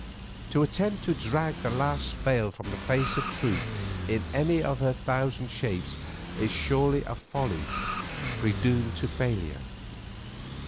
To attempt to drag the last veil from the face of Truth in any of her thousand shapes is surely a folly predoomed to failure.